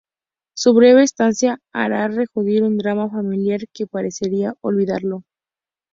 Su breve estancia hará resurgir un drama familiar que parecía olvidado.